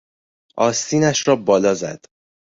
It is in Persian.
آستینش را بالا زد.